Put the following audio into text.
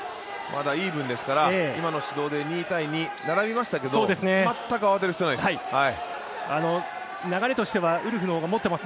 イーブンですから今の指導で２対２、並びましたけど全く慌てる必要はないです。